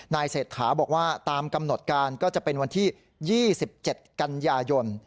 เศรษฐาบอกว่าตามกำหนดการก็จะเป็นวันที่๒๗กันยายน